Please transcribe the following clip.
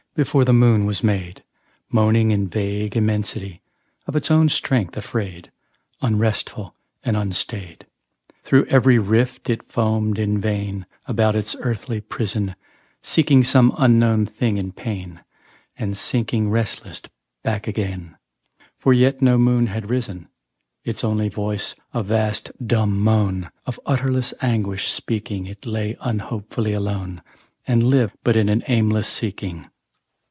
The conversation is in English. Before the moon was made, Moaning in vague immensity, Of its own strength afraid, Unresful and unstaid. Through every rift it foamed in vain, About its earthly prison, Seeking some unknown thing in pain, And sinking restless back again, For yet no moon had risen: Its only voice a vast dumb moan, Of utterless anguish speaking, It lay unhopefully alone, And lived but in an aimless seeking.